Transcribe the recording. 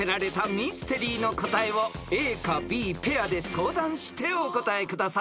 ミステリーの答えをＡかＢペアで相談してお答えください］